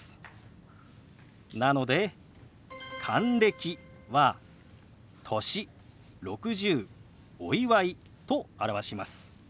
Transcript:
なので「還暦」は「歳」「６０」「お祝い」と表します。